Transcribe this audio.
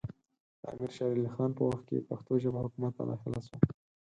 د امیر شېر علي خان په وخت کې پښتو ژبه حکومت ته داخله سوه